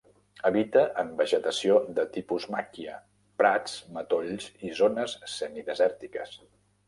Habita en vegetació de tipus macchia, prats, matolls i zones semi-desèrtiques.